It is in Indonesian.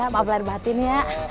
maaf lahir batin ya